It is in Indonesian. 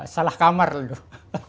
salah kamar dulu